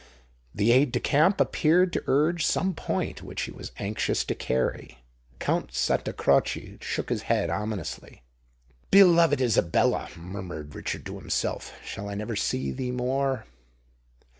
The aide de camp appeared to urge some point which he was anxious to carry: Count Santa Croce shook his head ominously. "Beloved Isabella," murmured Richard to himself: "shall I never see thee more?"